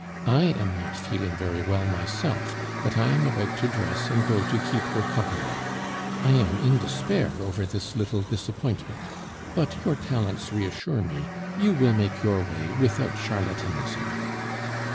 I am not feeling very well myself, but I am about to dress and go to keep her company. I am in despair over this little disappointment; but your talents reassure me, you will make your way without charlatanism."